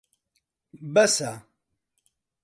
بەسە.